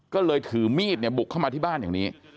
ก็เลยถือมีดเนี่ยบุกเข้ามาที่บ้านอย่างนี้